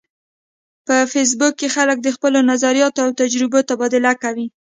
په فېسبوک کې خلک د خپلو نظریاتو او تجربو تبادله کوي